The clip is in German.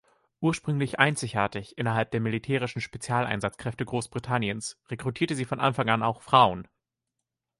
Ursprünglich einzigartig innerhalb der militärischen Spezialeinsatzkräfte Großbritanniens rekrutierte sie von Anfang an auch Frauen.